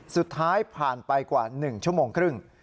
สุดท้ายผ่านไปกว่า๑ชั่วโมงครึ่ง